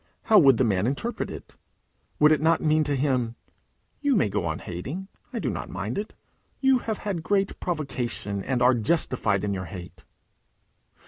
How would the man interpret it? Would it not mean to him, "You may go on hating. I do not mind it. You have had great provocation, and are justified in your hate"?